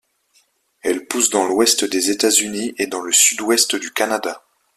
Elle pousse dans l'ouest des États-Unis et dans le sud-ouest du Canada.